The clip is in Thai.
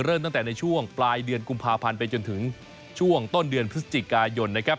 ตั้งแต่ในช่วงปลายเดือนกุมภาพันธ์ไปจนถึงช่วงต้นเดือนพฤศจิกายนนะครับ